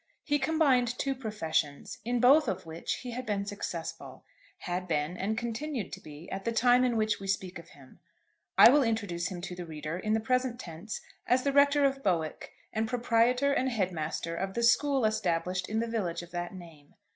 He combined two professions, in both of which he had been successful, had been, and continued to be, at the time in which we speak of him. I will introduce him to the reader in the present tense as Rector of Bowick, and proprietor and head master of the school established in the village of that name.